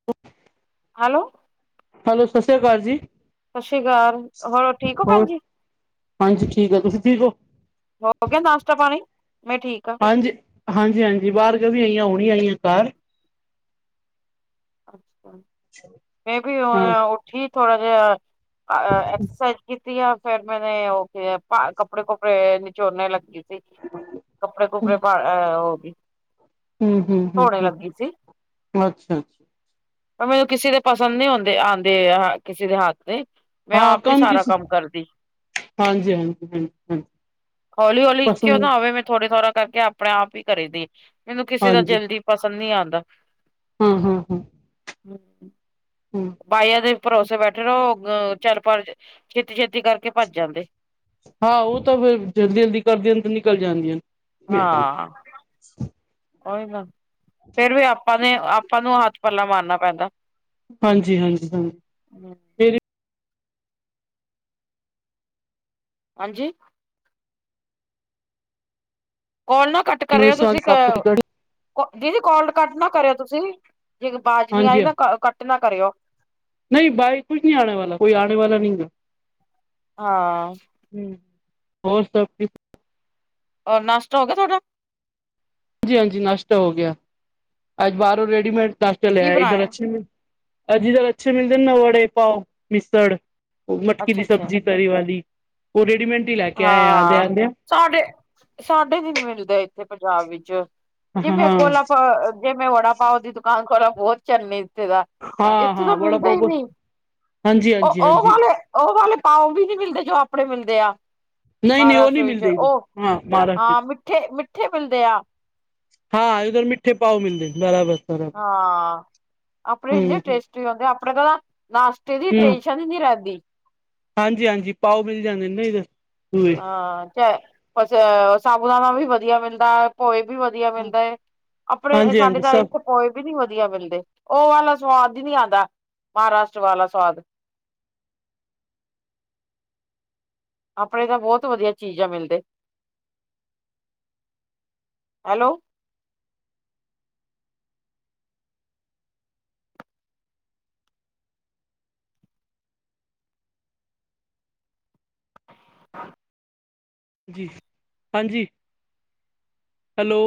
[inaudible] Hello, hello ਸਤਿ ਸ਼੍ਰੀ ਅਕਾਲ ਜੀ। ਸਤਿ ਸ੍ਰੀ ਅਕਾਲ ਹੋਰ ਠੀਕ ਹੋ ਹੋਰ ਭੈਣ ਜੀ ਹਾਂਜੀ ਠੀਕ ਐ, ਤੁਸੀਂ ਠੀਕ ਔ? ਹੋ ਗਿਆ ਨਾਸ਼ਤਾ ਪਾਣੀ? ਮੈਂ ਠੀਕ ਆ। ਹਾਂਜੀ ਹਾਂਜੀ ਹਾਂਜੀ ਬਾਰ ਗਏ ਵੀ ਆਈਆਂ ਹੁਣੀ ਆਈਆਂ ਘਰ ਮੈਂ ਵੀ ਹਾਂ ਹੁਨ ਉਹ ਉਠੀ ਥੋੜਾ ਜਿਹਾ ਐਕਸਰਸਾਈਜ਼ ਕੀਤੀ ਆ ਫੇਰ ਮੈਨੇ ਉਹ ਕੀ ਕੱਪੜੇ ਕੁੱਪੜੇ ਨਿਚੋੜਨੇ ਲੱਗੀ। ਕੱਪੜੇ ਕੁਪੜੇ ਪਾ ਹੋ ਗੀ। ਹੂੰ-ਹੂੰ-ਹੂੰ-ਹੂੰ, ਅੱਛਾ ਅੱਛਾ। ਪਰ ਮੈਨੂੰ ਕਿਸੇ ਦੇ ਪਸੰਦ ਨੀ ਆਦੇ ਆਦੇ ਕਿਸੇ ਦੇ ਹੱਥ ਦੇ ਮੈਂ ਹਾਂ ਆਪ ਹੀ ਕੰਮ ਸਾਰਾ ਕਿਸ, ਕਰਦੀ ਹਾਂਜੀ-ਹਾਂਜੀ-ਹਾਂਜੀ-ਹਾਂਜੀ। ਹਲੀ ਹੋਲੀ ਕਿਉਂ ਨਾ ਆਵੇ ਮੈਂ ਥੋੜੇ ਥੋੜਾ ਕਰਕੇ ਆਪ ਆਪਣੇ ਆਪ ਈ ਕਰੇ ਦੀ ਮੈਨੂੰ ਕਿਸੇ ਦਾ ਜਲਦੀ ਪਸੰਦ ਨੀ ਆਦਾ। ਹੂੰ-ਹੂੰ-ਹੂੰ, ਹੂੰ, ਬਾਈਆਂ ਦੇ ਭਰੋਸੇ ਬੈਠੇ ਰਏ ਉਹ ਅ ਚਾਰ ਪਾਰ ਛੇਤੀ ਛੇਤੀ ਕਰਕੇ ਭੱਜ ਜਾਂਦੇ। ਹਾਂ ਉਹ ਤਾਂ ਫਿਰ ਜਲਦੀ ਜਲਦੀ ਕਰਦੀਆਂ ਤਾਂ ਨਿਕਲ ਜਾਂਦੀਆਂ ਨੇ ਹਾਂ, ਉਹੀ ਗੱਲ ਫੇਰ ਵੀ ਆਪਾਂ ਨੇ ਆਪਾਂ ਨੂੰ ਹੱਥ ਪੱਲਾ ਮਾਰਨਾ ਪੈਂਦਾ। ਹਾਂਜੀ-ਹਾਂਜੀ-ਹਾਂਜੀ, ਹੂੰ, ਹਾਂਜੀ, ਕੋਲ ਨਾ ਕੱਟ ਮੇਰੀ ਕਰਿਓ ਸਾਫ਼ ਤੁਸੀਂ ਕੋਲ ਸੁਥਰੀ ਕਰ ਕੋ ਦੀਦੀ ਕੋਲ ਕੱਟ ਨਾ ਕਰਿਓ ਤੁਸੀਂ ਜੇ ਆਵਾਜ਼ ਨੀ ਆਈ ਨਾ ਕੱਟ ਨਾ ਕਰਿਓ। ਨਈ ਭਾਈ ਕੁਛ ਨਈ ਆਣੇ ਵਾਲਾ ਕੋਈ ਆਣੇ ਵਾਲਾ ਨੀ ਐ। ਹਾਂ, ਹੂੰ ਹੋਰ ਸਭ ਔਰ ਨਾਸ਼ਤਾ ਹੋ ਗਿਆ ਤੁਹਾਡਾ? ਹਾਂਜੀ ਹਾਂਜੀ ਨਾਸ਼ਤਾ ਹੋ ਗਿਆ, ਅੱਜ ਬਾਹਰੋਂ ਰੇਡੀਮੇਡ ਨਾਸ਼ਤਾ ਕੀ ਲਿਆ ਇਧਰ ਬਣਾਇਆ ਅੱਛੇ ਨੇ। ਅੱਜ-ਕੱਲ੍ਹ ਅੱਛੇ ਮਿਲਦੇ ਨਾ ਵੜੇ ਪਾਓ, ਮਿਸਰ ਉਹ ਮਟਕੀ ਅੱਛਾ ਦੀ ਅੱਛਾ ਸਬਜ਼ੀ। ਤਰੀ ਵਾਲੀ, ਉਹ ਰੇਡੀਮੇਟ ਹੀ ਲੈ ਕੇ ਆਇਆ ਆਂਦੇ ਹਾਂ ਆਦੇਆਂ ਸਾਡੇ ਸਾਡੇ ਨੀ ਮਿਲਦੇ ਇੱਥੇ ਪੰਜਾਬ ਵਿੱਚ, ਜਿਵੇਂ ਹਾਂ ਖੋਲਾ ਆਪਾਂ ਜੇ ਮੈਂ ਵੜਾ ਪਾਓ ਦੀ ਦੁਕਾਨ ਖੋਲਾ, ਬਹੁਤ ਚਲਨੀ ਥ ਦਾ ਹਾਂ ਇੱਥੇ ਹਾਂ ਤਾਂ ਬੜਾ ਮਿਲਦਾ ਹੀ ਪਾਓ ਨਹੀਂ, ਹਾਂਜੀ ਉਹ ਹਾਂਜੀ ਉਹ ਹਾਂਜੀ ਵਾਲੇ ਉਹ ਵਾਲੇ ਪਾਓ ਵੀ ਨੀ ਮਿਲਦੇ, ਜੋ ਆਪਣੇ ਮਿਲਦੇ ਆ ਨਹੀਂ ਨਹੀਂ ਉਹ ਨਹੀਂ ਮਹਾਰਾਸ਼ਟਰ ਵਿੱਚ ਮਿਲਦੇ ਇਧਰ ਉਹ, ਹਾਂ ਮਹਾਰਾਸ਼ਟਰ ਹਾਂ ਮਿੱਠੇ ਮਿੱਠੇ ਮਿਲਦੇ ਆ ਹਾਂ ਇਧਰ ਮਿੱਠੇ ਪਾਓ ਮਿਲਦੇ, ਬਰਾਬਰ ਬਰਾਬਰ ਹਾਂ ਆਪਣੇ ਹੂੰ ਇਨੇ ਟੇਸਟ ਟੇਸਟੀ ਹੁਂਦੇ, ਆਪਣੇ ਤਾਂ ਨਾਸ਼ਤੇ ਦੀ ਹੂੰ ਟੇਨਸ਼ਨ ਹੀ ਨੀ ਰਹਿੰਦੀ। ਹਾਂਜੀ ਹਾਂਜੀ ਪਾਓ ਮਿਲ ਜਾਂਦੇ ਨਾ ਇਧਰ ਪੂਰੇ ਹਾਂ ਸਾਬੂ ਦਾਣਾ ਵੀ ਵਧੀਆ ਮਿਲਦਾ ਪੋਏ ਵੀ ਵਧੀਆ ਮਿਲਦੇ, ਆਪਣੇ ਤਾਂ ਹਾਂਜੀ ਸਾਡੇ ਹਾਂਜੀ ਤਾਂ ਸਭ ਇੱਕ ਪੋਹੇ ਵੀ ਨੀ ਵਧੀਆ ਮਿਲਦੇ, ਉਹ ਵਾਲਾ ਸਵਾਦ ਹੀ ਨਹੀ ਆਉਂਦਾ ਮਹਾਰਾਸ਼ਟਰ ਵਾਲਾ ਸਵਾਦ ਆਪਣੇ ਤਾਂ ਬਹੁਤ ਵਧੀਆ ਚੀਜ਼ਾਂ ਮਿਲਦੇ, ਹੈਲੋ [unintelligible] ਜੀ ਹਾਂਜੀ ਹੈਲੋ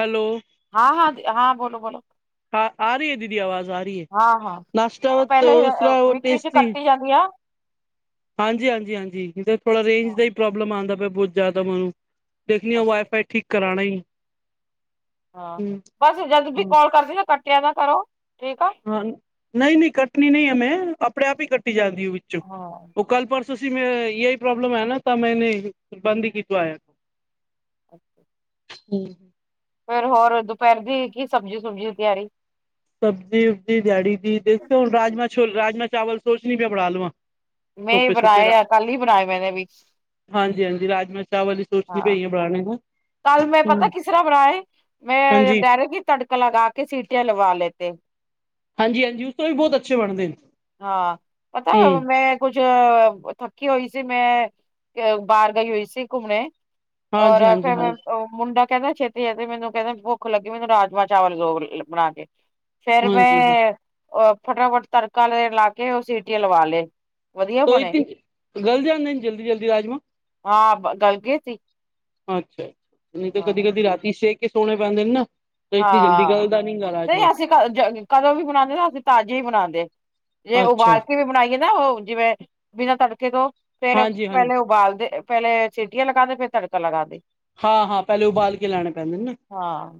ਹੈਲੋ ਹਾਂ ਹਾਂ ਹਾਂ ਬੋਲੋ ਬੋਲੋ ਹ ਆ ਰਹੀ ਹੈ ਦੀਦੀ ਆਵਾਜ਼ ਆ ਰਹੀ ਹੈ, ਹਾਂ ਹਾਂ ਨਾਸ਼ਤਾ ਉਸਤਰਹ ਉਹ ਟੇਸਟੀ ਹੋ ਆ ਹਾਂਜੀ ਹਾਂਜੀ ਹਾਂਜੀ ਇਧਰ ਥੋੜਾ ਰੇਂਜ ਦਾ ਹੀ ਪ੍ਰੋਬਲਮ ਆਉਂਦਾ ਪਿਆ, ਬਹੁਤ ਜ਼ਿਆਦਾ ਮੈਨੂੰ ਦੇਖਣੀ ਆਂ, ਵਾਈਫਾਈ ਠੀਕ ਕਰਾਨਣਾ ਈ ਹਾਂ ਬਸ ਜਦ ਵੀ ਤੁ ਕਾੱਲ ਕਰਦੀ ਆਂ, ਕੱਟਿਆ ਨਾ ਕਰੋ ਠੀਕ ਐ ਹਾਂ ਨਹੀਂ ਨਹੀਂ ਕੱਟਣੀ ਨਹੀਂ ਆਂ ਮੈਂ, ਆਪਣੇ ਆਪ ਹੀ ਕੱਟੀ ਜਾਂਦੀ ਵਿੱਚੋਂ ਹਾਂ ਉਹ ਕੱਲ ਪਰਸੋਂ ਸੀ ਮੈਂ ਇਹਹੀ ਪ੍ਰੋਬਲਮ ਹੈ ਨਾ, ਤਾਂ ਮੈਂਨੇ ਬੰਦ ਹੀ ਕੀਤਾ ਹੋਯਾ ਐ ਅੱਛਾ। ਹੂ। ਫੇਰ ਹੋਰ ਦੁਪਹਿਰ ਦੀ, ਕੀ ਸਬਜ਼ੀ ਸੁਬਜ਼ੀ ਤਿਆਰੀ। ਸਬਜ਼ੀ ਸੁਬਜੀ ਦਿਆਂੜੀ ਦੀ, ਦੇਖਦੀ ਹੁਣ ਰਾਜਮਾ ਛੋਲੇ ਚਾਵਲ ਸੋਚਨੀ ਆਂ ਬਣਾ ਲਵਾਂ। ਮੈਂ ਵੀ ਸੋਪੇ ਬਣਾਏ ਆ, ਕੱਲ ਹੀ ਬਣਾਏ ਮੈਨੇ ਵੀ। ਹਾਂਜੀ-ਹਾਂਜੀ ਰਾਜਮਾਂ ਚਾਵਲ ਈ ਸੋਚਣੀ ਪਈ ਆ ਬਣਾਉਣੇ ਦਾ ਕਲ ਮੈਂ ਪਤਾ ਹਮ ਕਿਸ ਤਰ੍ਹਾਂਹ ਬਣਾਏ, ਮੈਂ ਹਾਂਜੀ ਬੈਰਕ ਈ ਤੜ ਤੜਕਾ ਲਗਾ ਕੇ ਸੀਟੀਆਂ ਲਵਾ ਲੈਨੇ ਹਾਂਜੀ- ਹਾਂਜੀ ਉਸ ਤੋਂ ਵੀ ਬਹੁਤ ਅੱਛੇ ਬਣਦੇ ਨੇ, ਹੂ। ਕੁਝ ਥੱਕੀ ਹੋਈ ਸੀ, ਮੈਂ ਬਾਹਰ ਗਈ ਹੋਈ ਸੀ, ਘੁੰਮਣੇ, ਹਾਂਜੀ, ਹਾਂਜੀ, ਹਾਂਜੀ। ਉਹ ਮੁੰਡਾ ਕਹਿੰਦਾ ਛੇਤੀ ਹੈ, ਤੇ ਮੈਨੂੰ ਕਹਿੰਦੇ ਭੁੱਖ ਲੱਗੀ ਮੈਨੂੰ ਰਾਜਮਾ ਚਾਵਲ ਦੋ ਬਣਾ ਕੇ। ਫੇਰ ਹਾਂਜੀ ਹਾਂ ਮੈਂ ਫਟਾਫਟ ਤੜਕਾ ਲਾ ਕੇ ਉਹ ਸੀਟੀਆਂ ਲਵਾ ਲਏ। ਵਧੀਆ ਤੋਂ ਬਣੇ, ਇਤੇ ਗਲ ਜਾਂਦੇ ਨੇ ਜਲਦੀ ਜਲਦੀ ਹਾਂ ਗੱਲ ਗਏ ਸੀ। ਅੱਛਾ-ਅੱਛਾ ਨਹੀਂ ਤੇ ਕਦੀ-ਕਦੀ ਰਾਤੀ ਸੇਅ ਕੇ ਸੋਣੇ ਪੈਂਦੇ ਨੇ ਨਾ, ਤਾਂ ਇਤਨੀ ਜਲਦੀ ਗੱਲ ਹਾਂ। ਦਾ ਨਹੀਂ। ਨਹੀਂ ਅਸੀਂ ਕਦੋਂ ਵੀ ਬਣਾਉਦੇ, ਅਸੀਂ ਤਾਜ਼ੇ ਹੀ ਬਣਾਉਂਦੇ। ਜੇ ਅੱਛਾ ਉਬਾਲ ਕੇ ਵੀ ਬਣਾਈਏ ਨਾ, ਉਹ ਜਿਵੇਂ ਬਿਨਾਂ ਤੜਕੇ ਤੋਂ ਫੇਰ ਹਾਂਜੀ ਹਾਂਜੀ ਪਹਿਲੇ ਉਬਾਲਦੇ। ਪਹਿਲੇ ਸਿਟੀਆਂ ਲਗਾਉਂਦੇ, ਫਿਰ ਤੜਕਾ ਲਗਾਂਦੇ। ਹਾਂ- ਹਾਂ ਪਹਿਲੇ ਉਬਾਲ ਕੇ ਲੈਣੇ ਪੈਂਦੇ ਨੇ ਨਾ। ਹਾਂ।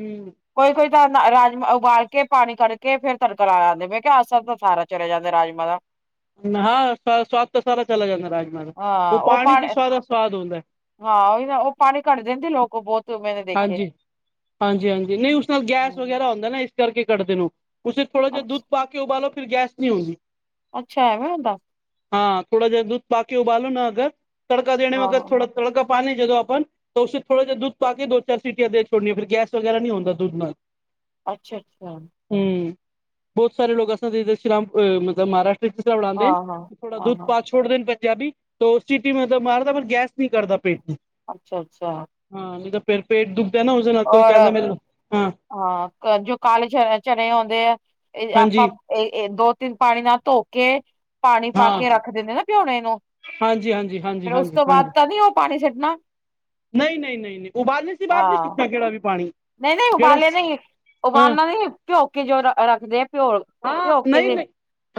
ਹੂ ਕੋਈ- ਕੋਈ ਤਾਂ ਰਾਜਮਾਂ ਉਬਾਲ ਕੇ ਪਾਣੀ ਕੱਢ ਕੇ ਫੇਰ ਤੜਕਾ ਲਾ ਲਾਂਦੇ। ਮੈਂ ਕਿਹਾ ਅਸਰ ਤਾਂ ਸਾਰਾ ਚਲੇਆ ਜਾਂਦਾ ਰਾਜਮਾਂ ਦਾ। ਹਾਂ ਸ ਸਵਾਦ ਤਾਂ ਸਾਰਾ ਚਲਾ ਜਾਂਦਾ ਰਾਜਮਾ ਦਾ, ਉਹ ਪਾਣੀ ਚ ਹੀ ਸਾਰਾ ਸਵਾਦ ਹੁੰਦਾ ਐ। ਹਾਂ ਉਹੀ ਨਾ ਉਹ ਪਾਣੀ ਕੱਡ ਦਿੰਦੇ ਲੋਕ ਬੋਤ। ਹਾਂਜੀ, ਹਾਂਜੀ-ਹਾਂਜੀ ਨਹੀਂ ਉਸ ਵਿੱਚ ਗੈਸ ਵਗੈਰਾ ਹੁੰਦਾ ਨਾ ਇਸ ਕਰਕੇ ਕੱਟਦੇ ਨੇ ਓਹ। ਉੇਸੇ ਥੋੜਾ ਜਿਹਾ ਦੁੱਧ ਅੱਛਾ ਪਾ ਕੇ ਉਬਾਲੋ ਫੇਰ ਗੈਸ ਨੀ ਹੁੰਦੀ। ਅੱਛਾ ਇਹਵੇ ਹੁੰਦਾ। ਹਾਂ ਥੋੜਾ ਜਿਹਾ ਦੂਧ ਪਾਕੇ ਉਬਾਲੋ ਨਾ ਅਗਰ ਤੜਕਾ ਦੇਣੇ ਵਖਤ ਹਾਂ-ਹਾਂ, ਥੋੜਾ। ਤੜਕਾ ਪਾਣੇ ਜਦੋਂ ਆਪਾਂ ਤਾਂ ਉਸੇ ਥੋੜਾ ਜਿ ਦੂਧ, ਪਾ ਕੇ ਦੋ- ਚਾਰ ਸੀਟੀਆਂ ਦੇ ਛੋਣੀਆਂ ਫੇਰ ਗੈਸ ਵਗੈਰਾ ਨਹੀਂ ਹੁੰਦਾ ਦੂੱਧ ਨਾਲ। ਅੱਛਾ-ਅੱਛਾ। ਹੂੰ ਬੋਤ ਸਾਰੇ ਲੋਕ ਅ ਸ਼੍ਰਰਾਮ ਮਤਲਬ ਮਹਾਰਾਸ਼, ਬਣਾਉਦੇ ਹਾਂ-ਹਾਂ, ਥੋੜਾ ਦੁੱਧ ਹਾਂ-ਹਾਂ, ਪਾ ਛ। ਛੋੜਦੇ ਪੰਜਾਬੀ ਉਹ ਸਿਟੀ ਮਤਲਬ ਮਾਰਦਾ ਪਰ ਗੈਸ ਨਹੀਂ ਕਰਦਾ ਪੇਟ ਨੂੰ। ਅੱਛਾ-ਅੱਛਾ। ਹਾਂ ਨੀ ਤ ਫੇਰ ਪੇਟ ਦੁਖਦਾ ਨਾ ਉਹਦੇ ਨਾਲ ਕੋਈ ਔਰ ਕਹਿੰਦਾ ਮੇਰੇ, ਹਾਂ। ਹਾਂ ਜੋ ਕਾਲੇ ਚਣੇ ਆਉਂਦੇ ਆ। ਇਹ ਆਪਾਂ, ਹਾਂਜੀ ਇਹ ਦੋ- ਤਿੰਨ ਪਾਣੀ ਨਾਲ ਧੋ ਕੇ, ਪਾਣੀ ਪਾ ਹਾਂ ਕੇ ਰੱਖ ਦਿੰਦੇ ਨਾ, ਭਿਉਣੇ ਨੂੰ, ਹਾਂਜੀ ਹਾਂਜੀ ਹਾਂਜੀ ਫੇਰ ਉਸ ਹਾਂਜੀ ਤੋਂ ਬਾਅਦ ਤਾਂ ਨ ਉਹ ਪਾਣੀ ਛੱਡਣਾ। ਨਹੀਂ-ਨਹੀਂ, ਨਹੀਂ- ਨਹੀਂ ਉਬਾਲੇ ਕੇ ਬਾਅਦ ਨਈ ਹਾਂ ਸੁਟਨਾ ਕਿਹੜਾ ਵੀ ਪਾਣੀ, ਨਹੀਂ-ਨਹੀਂ ਜਿਹੜਾ ਉਬਾਲੇ ਨਹੀਂ ਹਾਂ ਉਬਾਲਣਾ ਨਹੀਂ ਆ ਭਿਓ ਕੇ ਜੋ ਰੱਖਦੇ ਆ। ਭਿਓ ਹਾਂ ਭਿਓ ਕੇ ਦੇ ਨਹੀ-ਨਹੀਂ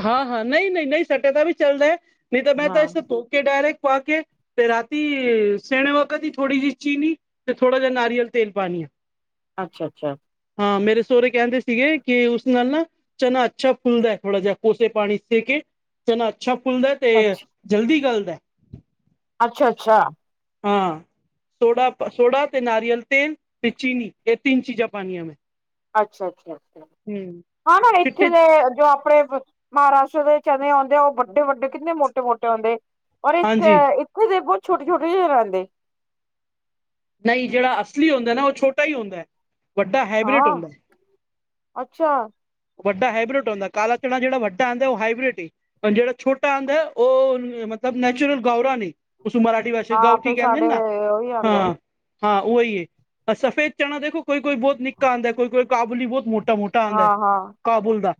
ਹਾਂ-ਹਾਂ ਨਹੀਂ- ਨਹੀਂ, ਨਹੀਂ ਸੱਟਿਆ ਤਾਂ ਵੀ ਚੱਲ ਰਿਹਾ ਹੈ। ਨਹੀਂ ਤਾਂ ਮੈਂ ਹਾਂ ਤਾਂ ਇਸੇ ਧੋ- ਕੇ ਡਾਇਰੇੈਕਟ ਪਾ ਕੇ, ਤੇ ਰਾਤੀ ਸੇਣੇ ਵਕਤ ਹੀ ਥੋੜੀ ਜਿ ਚੀਨੀ। ਤੇ ਥੋੜਾ ਜਿਹਾ ਨਾਰੀਅਲ ਤੇਲ ਪਾਣੀ ਆ। ਅੱਛਾ- ਅੱਛਾ। ਹਾਂ ਮੇਰੇ ਸੋਹੁਰੇ ਕਹਿੰਦੇ ਸੀਗੇ ਕਿ ਉਸ ਨਾਲ ਨਾ- ਚਨਾ ਅੱਛਾ ਫੁਲਦਾ ਥੋੜਾ ਜਿਹਾ ਕੋਸੇ ਪਾਣੀ ਦੇ ਕੇ ਚਨਾ ਅੱਛਾ ਫੁਲਦਾ ਤੇ। ਅੱਛਾ, ਜਲਦੀ ਗੱਲਦ ਏ। ਅੱਛਾ-ਅੱਛਾ। ਚੰਗਾ ਜੀ। ਸੋਡਾ-ਸੋਡਾ ਤੇ ਨਾਰੀਅਲ ਤੇਲ ਤੇ ਚੀਨੀ ਇਹ ਤਿੰਨ ਚੀਜ਼ਾਂ ਪਾਣੀਆਂ ਮੈਂ। ਅੱਛਾ-ਅੱਛਾ, ਅੱਛਾ ਹੂੰ ਹਾਂ ਨਾ ਇੱਥੇ ਚਿੱਟੇ ਵੇ ਜੋ ਆਪਣੇ। ਮਹਾਰਾਸ਼ਟਰ ਦੇ ਚਨੇ ਆਉਂਦੇ ਆ ਔਹ ਵੱਡੇ- ਵੱਡੇ ਕਿੰਨੇ ਮੋਟੇ- ਮੋਟੇ ਹੁੰਦੇ। ਔਰ ਹਾਂਜੀ ਏਥੇ ਚਨੇ ਬੋਤ ਛੋਟੇ- ਛੋਟੇ ਜਹੇ ਰਹਿੰਦੇ। ਨਹੀਂ ਜੇਹੜਾ ਅਸਲੀ ਹੁੰਦਾ ਨਾ ਓਹ ਛੋਟਾ ਹੀ ਹੁੰਦਾ ਐ। ਹਾਂ, ਅੱਛਾ। ਵੱਡਾ ਹਾਈਬ੍ਰੇਡ ਹੁੰਦਾ, ਕਾਲਾ ਚਣਾ ਜੇਹੜਾ ਵੱਡਾ ਆਂਦਾ ਔਹ ਹਾਈਬੇ੍ਡ ਈ। ਹਾ ਜੇੜਾ ਛੋਟਾ ਆਂਦਾ ਏ ਔਹ ਮਤਲਬ ਨੈਚੁਰਲ ਗੳਰਾ ਨੀ, ਉਸ ਮਾਹਰਾਸ਼ਟ। ਦੀ ਭਾਸ਼ਾ ਚ ਹਾਂ ਗਾਊਠੀ ਫਿਰ ਕਹਿੰਦੇ ਸਾਡੇ ਨਾ, ਉਹੀ ਆਉਂਦੇ ਹਾਂ। ਹਾਂ ਔਹੀ ਏ ਸਫੇਦ ਚਨਾ ਦੇਖੋ ਕੋਈ- ਕੋਈ ਬੋਤ ਨਿੱਕਾ ਆਂਦਾ ਕੋਈ- ਕੋਈ ਕਾਬੂਲੀ ਬੋਤ ਮੋਟ- ਟਾ- ਮੋਟਾ ਆਂਦਾ ਐ। ਹਾਂ ਹਾਂ ਕਾਬੁਲ ਦਾ,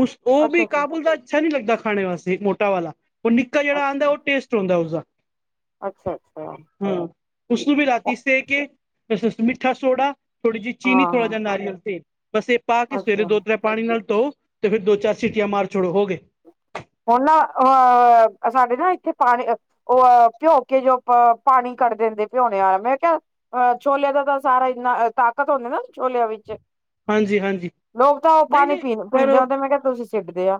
ਉਸ ਔਹ ਅੱਛਾ ਵੀ ਅੱਛਾ ਕਾਬੁਲ ਦਾ ਅੱਛਾ ਨਈ ਲੱਗਦਾ ਖਾਨੇ ਵਾਸਤੇ ਮੋਟਾ ਵਾਲਾ। ਔਹ ਨਿੱਕਾ ਜੇਹੜਾ ਆਂਦਾ ਔਹ ਟੇਸਟ ਹੋਂਦਾ ਉਸਦਾ। ਅੱਛਾ-ਅੱਛਾ। ਹਾਂ ਉਸਨੂੰ ਵੀ ਰਾਤੀ ਸੇ ਕੇ ਉਸ ਚ ਮਿੱਠਾ ਸੋਡਾ। ਥੋੜੀ ਜਿਹੀ ਹਾਂ ਚੀਨੀ ਥੋੜਾ ਹਾਂ ਜੇਹਾ ਨਾਰੀਅਲ ਤੇਲ ਬਸ ਇਹ ਪਾ ਕੇ ਸਵੇਰੇ ਅੱਛਾ ਦੋ। ਤ੍ਰੈ ਪਾਣੀ ਨਾਲ ਧੋ ਤੇ ਫੇਰ ਦੋ ਚਾਰ ਸੀਟੀਆਂ ਮਾਰ ਛੋੜੋ, ਹੋ ਗਏ। ਹੁਨ ਨਾ ਅ ਸਾਡੇ ਨਾ ਏਥੇ ਪਾਣੀ ਔ ਭਿਓ ਕੇ ਜੋ ਪਰ ਪਾਣੀ ਕੱਢ ਦੇਂਦੇ ਭਓਣੇ ਆਲਾ ਮੈਂ ਕੇਆ ਅ ਛੋਲੇਆਂ ਦਾ ਤਾਂ ਸਾਰਾ ਇੰਨਾ ਤਾਕਤ ਹੁੰਦਾ ਨਾ ਛੋਲੇਆਂ ਵਿੱਚ। ਹਾਂਜੀ ਹਾਂਜੀ ਲੋਕ ਤਾਂ ਓ ਨਹੀਂ ਪਾਨੀ ਨਹੀਂ ਪੀਂ ਪਰ ਪੀਂਦੇ ਆ ਉਹ ਮੈਂ ਕੇਆ ਤੁਸੀ ਸਿਟੱਦੇ ਆ।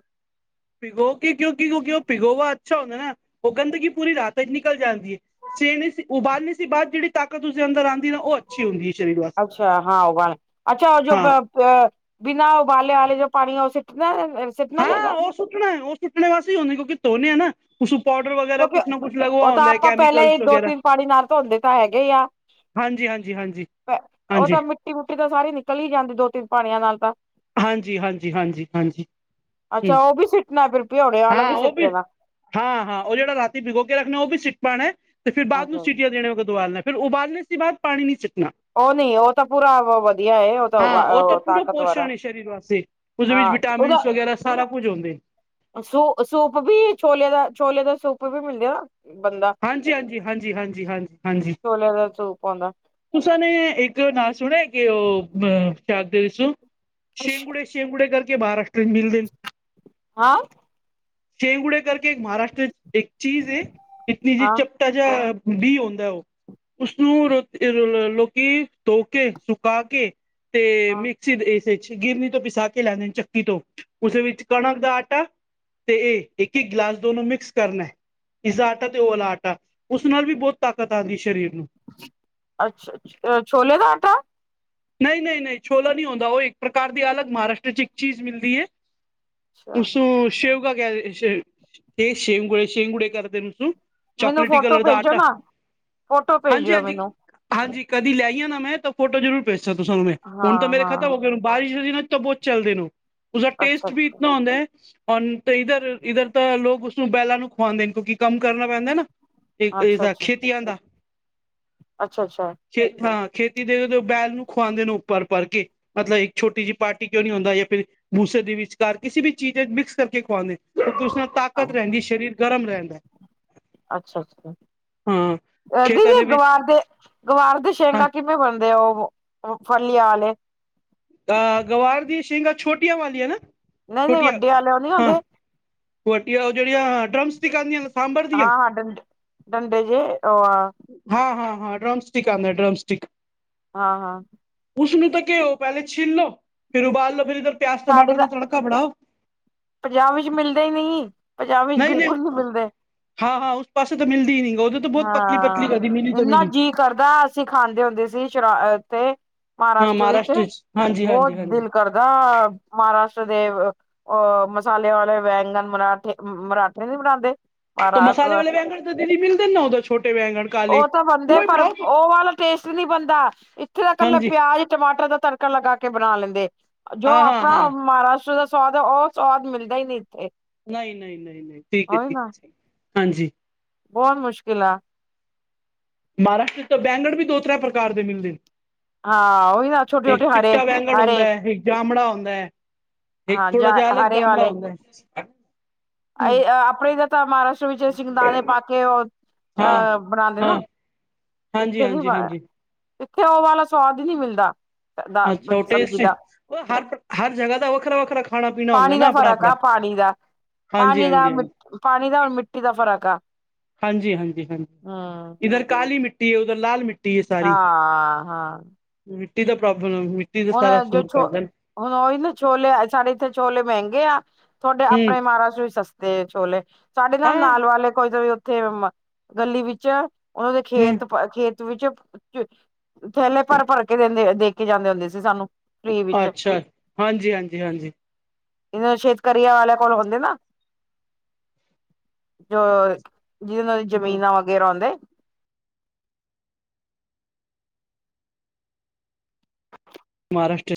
ਭਿਗੋ ਕੇ ਕਿਉਂਕੀ ਔ ਭਿਗੋਵਾ ਅੱਛਾ ਹੁੰਦਾ ਐ ਨਾ। ਔ ਗੰਦਗੀ ਪੂਰੀ ਰਾਤ ਏਚ ਨਿਕਲ ਜਾਂਦੀ ਏ। ਚੇਨੀ ਸੀ ਉਬਾਲਨੀ ਸੀ ਬਾਦ ਜੇੜੀ ਤਾਕਤ ਉਸਦੇ ਅੰਦਰ ਆਂਦੀ ਨਾ ਔ ਅੱਛੀ ਹੁੰਦੀ ਏ ਸਰੀਰ ਵਾਸ, ਹਾਂ। ਅ ਬਿਨਾਂ ਉਬਾਲੇ ਆਲੇ ਜੋ ਪਾਣੀ ਆ ਔ ਸਿੱਟਨਾ ਸਿੱਟਨਾ ਹਾਂ ਚਾਈਦਾ। ਉਹ ਸੁੱਟਣਾ ਐ। ਔ ਸੁੱਟਣੇ ਵਾਸੇ ਹਈ ਹੋਂਦੇ ਕਿਉਂਕਿ ਧੋਨੇ ਆ ਨਾ। ਉਸ ਨੂੰ ਪੋਡਰ ਵਗੈਰਾ ਕਿਉਂਕਿ ਕੁਛ ਨਾ ਕੁਛ ਉਹ ਲਗਵਾ ਤਾਂ ਹੁੰਦਾ ਐ ਆਪਾਂ ਪਹਿਲਾਂ ਹੀ ਕੈਮੀਕਲਸ ਦੋ ਵਗੈਰਾ। ਤਿੰਨ ਪਾਣੀ ਨਾਲ ਧੋਂਦੇ ਤਾਂ ਹੈਗੇ ਹੀ ਆ ਹਾਂਜੀ, ਹਾਂਜੀ, ਹਾਂਜੀ ਹਾਂਜੀ। ਮਿਟੀ ਮੁਟੀ ਤਾਂ ਸਾਰੀ ਨਿਕਲ ਈ ਜਾਂਦੀ ਦੋ ਤਿੰਨ ਪਾਣੀਆਂ ਨਾਲ ਤਾਂ। ਹਾਂਜੀ ਹਾਂਜੀ ਹਾਂਜੀ ਹਾਂਜੀ ਅੱਛਾ ਹੂੰ ਔ ਵੀ ਸਿੱਟਨਾ। ਫੇਰ ਭਿਓਣੇ ਆਲਾ ਹਾਂ ਵੀ ਸਿੱਟ ਉਹ ਦੇਨਾ। ਹਾਂ ਹਾਂ ਔ ਜੇੜਾ ਰਾਤੀ ਭਿਗੋ ਕੇ ਰੱਖਨਾ ਓ ਵੀ ਸਿੱਟ ਪਾਣਾ ਏ ਤੇ ਫਿਰ ਬਾਦ ਨੂੰ ਅੱਛਾ ਜੀ। ਸੀਟੀਆਂ ਦੇਣੇ ਕੋ ਦੁਆਲਨੈ। ਫਿਰ ਉਬਾਲਨੇ ਸੀ ਬਾਦ ਪਾਣੀ ਨੀ ਸਿੱਟਨਾ। ਔ ਨੀ, ਔ ਤਾਂ ਪੂਰਾ ਵ ਵਧੀਆ ਏ। ਔ ਤਾਂ ਓ ਤਾਕਤ ਵਾਰਾ। ਸੀ। ਉਦੇ ਵਿਚ ਵਿਟਾਮਿਨਸ ਵਗੈਰਾ ਸਾਰਾ ਕੁੱਝ ਹੁੰਦੇ। ਸੂ ਸੂਪ ਵੀ ਛੋਲੇਆਂ ਦਾ ਛੋਲੇ ਦਾ ਸੂਪ ਵੀ ਮਿਲਦੇ ਨਾ ਬੰਦਾ। ਹਾਂਜੀ, ਹਾਂਜੀ, ਹਾਂਜੀ, ਹਾਂਜੀ ਹਾਂਜੀ ਹਾਂਜੀ। ਛੋਲੇਆਂ ਦਾ ਸੂਪ ਔਂਦਾ। ਤੁਸਾ ਨੇ ਏਕ ਨਾਂ ਸੁਣੇਆ ਕਿ ਔ ਮ ਕੇ ਆਖਦੇ ਸੂ ਸ਼ੇਗੂੜੇ। ਸ਼ੇਗੂੜੇ ਕਰਕੇ ਮਹਾਰਾਸ਼ਟਰ ਚ ਮਿਲਦੇ ਨ। ਹਾਂ ਸ਼ੇਗੁੜੇ ਕਰਕੇ ਮਹਾਰਾਸ਼ਟਰ ਚ ਏਕ ਚੀਜ਼ ਏ। ਇਤਨੀ ਜੀ ਹਾਂ ਚਪ ਟਾ ਜਾ ਬੀ ਹੋਂਦਾ ਐ ਔ, ਉਸਨੂੰ ਰੋ ਨੂੰ ਲੋਕੀ ਧੋ ਕੇ, ਸੁਕਾ ਕੇ ਤੇ ਹਾਂ ਮਿਕਸ। ਸੀ ਏਸਚ ਗਿਰਨੀ ਤੋਂ ਪਿਸਾ ਕੇ ਲੈਂਦੇ ਨੇ ਚੱਕੀ ਤੋਂ। ਉਸ ਵਿੱਚ ਕਣਕ ਦਾ ਆਟਾ ਤੇ ਏ ਇੱਕ ਇੱਕ ਗਿਲਾਸ ਦੋਨੋ ਮਿਕਸ ਕਰਨੈ। ਇਸਦਾ ਆਟਾ ਤੇ ਔ ਆਲਾ ਆਟਾ। ਉਸ ਨਾਲ ਵੀ ਬੋਤ ਤਾਕਤ ਆਂਦੀ ਸ਼ਰੀਰ ਨੂੰ। ਅੱਛਾ, ਅਛ ਛੋਲੇਆਂ ਦਾ ਆਟਾ। ਨਈ ਨਈ ਨਈ ਛੋਲਾ ਨੀ ਹੋਂਦਾ। ਓ ਇੱਕ ਪ੍ਰਕਾਰ ਦੀ ਅਲੱਗ ਮਹਾਰਾਸ਼ਟਰ ਚ ਇੱਕ ਚੀਜ਼ ਮਿਲਦੀ ਏ। ਅੱਛਾ ਉਸਨੂੰ ਸ਼ਇਵਗਾ ਕੈਦੇ ਸ਼ ਸ਼ੇਂਗੁੜੇ ਸ਼ੇਂਗੁੜੇ ਕਰਦੇ ਨ ਸੂ। ਮੈਨੂੰ ਚੋਕਲੇਟੀ ਫੋਟੋ ਕਲਰ ਦਾ ਭੇਜੋ ਆਟਾ। ਨਾ ਫੋਟੋ ਹਾਂਜੀ, ਭੇਜਿਓ ਹਾਂਜੀ। ਮੈਨੂੰ ਹਾਂਜੀ ਕਦੀ ਲੈ ਈ ਆ ਨਾ ਮੈਂ ਤਾਂ ਫੋਟੋ ਜ਼ਰੂਰ ਭੇਜ ਸਾ ਤੁਸਾ ਨੂੰ ਮੈਂ। ਹਾਂ ਹੁਣ ਤਾਂ ਮੇਰੇ ਹਾਂ ਖਤਮ ਹੋਗੇ। ਬਾਰਿਸ਼ ਦੇ ਦਿਨਾ ਚ ਤਾਂ ਬੋਤ ਚਲਦੇ ਨੇ ਓ। ਉਸਦਾ ਅੱਛਾ ਟੇਸਟ ਵੀ ਅੱਛਾ ਇਤਨਾ ਹੁੰਦਾ ਐ। ਹੋਨ ਤੇ ਇੱਧਰ ਇੱਧਰ ਤਾਂ ਲੋਕ ਉਸਨੂੰ ਬੈਲਾਂ ਨੂੰ ਖੁਵਾਂਦੇ ਨੇ ਕਿਉਂਕਿ ਕੰਮ ਕਰਨਾ ਪੈਂਦਾ ਐਨਾ। ਏ ਅੱਛਾ ਏਦਾ ਅੱਛਾ ਖੇਤੀਆਂ ਦਾ। ਅੱਛਾ ਅੱਛਾ। ਛੇਠਾ ਖੇਤੀ ਦੇ ਬੈਲ ਨੂੰ ਖੁਆਉਂਦੇ ਨੇ ਉਭਰ ਭਰ ਕੇ। ਮਤਲਬ ਇੱਕ ਛੋਟੀ ਜਿ ਪਾਰਟੀ ਕਓਂ ਨੀ ਹੁੰਦਾ ਯਾਂ ਫਿਰ ਭੂਸੇ ਦੇ ਵਿਚਕਾਰ ਕਿਸੀ ਵੀ ਚੀਜ਼ ਏਚ ਮਿਕਸ ਕਰਕੇ ਖਵਾਉਂਦੇ। ਤੁਸਾਂ ਤਾਕਤ ਰੈਂਦੀ। ਸ਼ਰੀਰ ਗਰਮ ਰੈਂਦਾ ਐ। ਅੱਛਾ ਅੱਛਾ। ਖੇਤਾਂ ਦੀਦੀ ਦੇ ਵਿੱਚ ਗਵਾਰ ਦੇ ਗਵਾਰ ਦੇ ਹਾਂ ਸ਼ੇਗਾ ਕਿ ਬਣਦੇ ਓ। ਓ ਫਲਿਆਂ ਆਲੇ। ਅ ਗਵਾਰ ਦੀ ਸ਼ੀਗਾਂ ਛੋਟੀਆਂ ਵਾਲੀਆਂ ਨਾ ਨਹੀਂ ਨਹੀਂ ਵੱਡੇ ਆਲੇ ਨਹੀਂ ਆਉਂਦੇ ਉਹਟੀਆ ਵਾਲੀਆ ਉਹ ਜਿਹੜੀਆਂ ਆਟਰਮਸ ਕਿ ਗਾਂਧੀ ਆਂ ਸਾਂਭਰ ਹਾਂ ਹਾਂ ਡੰਡੇ ਡੰਡੇ ਜੇ ਉਹ ਆ ਹਾਂ ਹਾਂ ਹਾਂ ਡਰਮਸਟਿਕ ਆਂਦਾ ਡਰਮਸਟਿਕ। ਹਾਂ -ਹਾਂ ਉਸਨੂੰ ਤਾਂ ਕਿ ਹੋ ਪਹਿਲੇ ਛਿੱਨਲੋ ਫਿਰ ਉਬਾਲ ਲੋ ਫਿਰ ਇੱਧਰ ਪਿਆਜ ਸਾਡੇ ਟਮਾਟਰ ਦਾ ਤਾਂ ਤੜਕਾ ਬਣਾਓ ਪੰਜਾਬ ਵਿੱਚ ਮਿਲਦੇ ਨਹੀਂ ਪੰਜਾਬ ਵਿੱਚ ਬਿਲਕੁਲ ਨਹੀਂ ਮਿਲਦੇ ਹਾਂ ਹਾਂ ਉਸ ਪਾਸੇ ਤੇ ਮਿਲਦੀ ਹੀ ਨਹੀਂ ਉਦੋਂ ਤਾਂ ਬਹੁਤ ਪਤਲੀ ਪਤਲੀ ਕਦੀ ਮਿਲੀ ਤਾਂ ਐਨਾ ਮਿਲੀ ਜੀਅ ਕਰਦਾ ਅਸੀਂ ਖਾਂਦੇ ਹੁੰਦੇ ਸੀ ਸ਼ਰਾ ਉਥੇ ਹਾਂ ਮਹਾਰਾਸ਼ਟਰ ਵਿੱਚ ਚ ਹਾਂਜੀ ਬਹੁਤ ਹਾਂਜੀ ਹਾਂਜੀ ਦਿਲ ਕਰਦਾ ਅ ਮਹਾਰਾਸ਼ਟਰ ਦੇ ਅ ਮਸਾਲਿਆਂ ਵਾਲੇ ਵੈਗਣ ਬਣਾਤੇ ਮਰਾਠੇ ਨੀ ਬਣਾਉਂਦੇ ਤਾਂ ਮਸਾਲੇ ਮਹਾਰਾਸ਼ਟਰ ਵਾਲੇ ਬੈਂਗਣ ਤਾਂ ਦੀਦੀ ਮਿਲਦੇ ਨਾ ਉਹਦਾ ਛੋਟੇ ਬੈਂਗਣ ਕਾਲੇ ਉਹ ਤਾਂ ਬਣਦੇ ਉਹ ਹੀ ਪਰ ਬਣਾਓ ਤੁਸੀਂ ਉਹ ਵਾਲੇ ਟੇਸਟ ਨਹੀਂ ਬਣਦਾ ਇੱਥੇ ਦਾ ਇਕੱਲਾ ਹਾਂਜੀ ਪਿਆਜ ਟਮਾਟਰ ਦਾ ਤਰ ਤੜਕਾ ਲਗਾ ਕੇ ਬਣਾ ਲੈਂਦੇ ਜੋ ਹਾਂ ਹਾਂ ਆਪਣਾ ਹਾਂ ਮਹਾਰਾਸ਼ਟਰ ਮਤਲਬ ਉਹ ਸਵਾਦ ਮਿਲਦਾ ਹੀ ਨੀ ਇੱਥੇ ਨਹੀਂ- ਨਹੀਂ- ਨਹੀਂ -ਨਹੀਂ ਠੀਕ ਹੈ ਉਹੀ ਜੀ ਨਾ ਅੱਛਾ ਹਾਂਜੀ ਬਹੁਤ ਮੁਸ਼ਕਿਲ ਆ ਮਹਾਰਾਸ਼ਟਰ ਬੈਂਗਣ ਵੀ ਦੋ ਤਰਾਂ ਪ੍ਰਕਾਰ ਦੇ ਮਿਲਦੇ ਨੇ ਹਾਂ ਉਹੀ ਨਾ ਛੋਟੇ ਇੱਕ ਛੋਟੇ ਹਰੇ ਚਿੱਟਾ ਵੈਂਗਣ ਹੁੰਦਾ ਹਰੇ ਹੈ ਇੱਕ ਜਾਮੜਾ ਹੁੰਦਾ ਹੈ ਇੱਕ ਹਾਂ ਥੋੜਾ ਜਾ ਜਿਹਾ ਅਲਗ ਹਰੇ ਜਾਮੜਾ ਹੁੰਦਾ ਹੈ ਇਹ ਆਪਣੇ ਤਾਂ ਮਹਾਰਾਸ਼ਟਰ ਵਿੱਚ ਸ਼ਗਦਾਨਣੇ ਪਾ ਕੇ ਉਹ ਹਾਂ ਅਹ ਬਣਾਉਂਦੇ ਨਾ ਹਾਂ ਹਾਂਜੀ ਇੱਥੇ ਨੀ ਹਾਂਜੀ ਬਣ ਹਾਂਜੀ ਇੱਥੇ ਉਹ ਵਾਲਾ ਸੁਆਦ ਹੀ ਨਹੀਂ ਮਿਲਦਾ ਦਾ ਅੱਛਾ ਉਹ ਸਬਜ਼ੀ ਟੇਸਟੀ ਦਾ ਹਰ, ਹਰ ਜਗ੍ਹਾ ਦਾ ਵੱਖਰਾ -ਵੱਖਰਾ ਖਾਣਾ ਪੀਣਾ ਹੁੰਦਾ ਪਾਣੀ ਨਾ ਦਾ ਆਪਣਾ ਫ਼ਰਕ ਆਪਣਾ ਆ ਪਾਣੀ ਦਾ ਹਾਂਜੀ ਪਾਣੀ ਦਾ ਹਾਂਜੀ ਮ ਹਾਂਜੀ ਪਾਣੀ ਦਾ ਮਿੱਟੀ ਦਾ ਫ਼ਰਕ ਆ ਹਾਂਜੀ- ਹਾਂਜੀ- ਹਾਂਜੀ ਹਮ ਇੱਧਰ ਕਾਲੀ ਮਿੱਟੀ ਉਧਰ ਲਾਲ ਮਿੱ ਟੀ ਸਾਰੀ ਹਾਂ ਹਾਂ ਮਿੱਟੀ ਦਾ ਪ੍ਰੋਬਲਮ ਹੈ ਮਿ ਹੁਣ ਜੋ ਛੋ ਹੁਣ ਉਹੀ ਨਾ ਛੋਲੇ ਸਾਡੇ ਇੱਥੇ ਛੋਲੇ ਮਹਿੰਗੇ ਆ ਤੁਹਾਡੇ ਹਮ ਆਪਣੇ ਮਹਾਰਾਸ਼ਟਰ ਵਿਚ ਸਸਤੇ ਛੋਲੇ ਸਾਡੇ ਹਾਂ ਨਾਲ ਵਾਲੇ ਕੋਈ ਉੱਥੇ ਗਲੀ ਵਿੱਚ ਉਹਨਾਂ ਦੇ ਹਮ ਖੇਤ ਪਰ ਖੇਤ ਵਿੱਚ ਥੈਲੇ ਭਰ ਭਰ ਕੇ ਦੇ ਕੇ ਜਾਂਦੇ ਹੁੰਦੇ ਸੀ ਸਾਨੂੰ ਫ੍ਰਰੀ ਵਿੱਚ ਅੱਛਾ ਹਾਂਜੀ ਹਾਂਜੀ ਹਾਂਜੀ ਇਹਨਾਂ ਛੇਤਕਰੀਆ ਵਾਲਿਆਂ ਕੋਲ ਹੁੰਦੇ ਨਾ ਜੋ ਜਿਹਦੇ ਨਾਲ ਹਾਂ ਜ਼ਮੀਨਾਂ ਵਗੈਰਾ ਆਉਂਦੇ ਮਹਾਰਾਸ਼ਟਰ